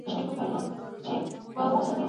ښوونځي د روغتیا مرکزونه کیدلای سي؟